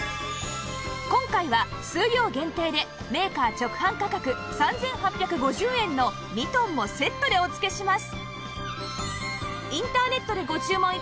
今回は数量限定でメーカー直販価格３８５０円のミトンもセットでお付けします